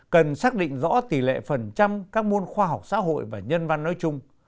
cần xác định rõ tỷ lệ phần trăm các môn khoa học xã hội và nhân văn nói chung